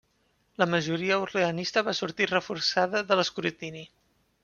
La majoria orleanista va sortir reforçada de l'escrutini.